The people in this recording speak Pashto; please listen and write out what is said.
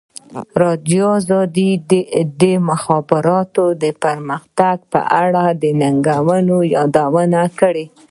ازادي راډیو د د مخابراتو پرمختګ په اړه د ننګونو یادونه کړې.